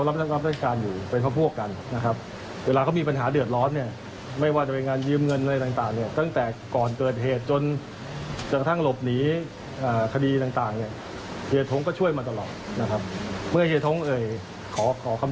ผมขอคำช่วยเหลือจากเขาเขา้ต้องตอบให้มั่นคุณก็พอเสาปากคามเสร็จแล้วนะครับ